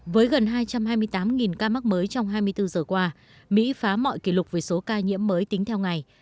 với gần hai trăm hai mươi tám ca mắc mới trong hai mươi bốn giờ qua mỹ phá mọi kỷ lục về số ca nhiễm mới tính theo ngày